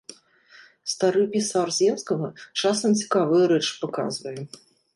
Стары пісар земскага часам цікавыя рэчы паказвае.